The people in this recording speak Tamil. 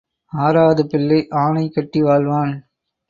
ஆறாவது பிள்ளை ஆனை கட்டி வாழ்வான்.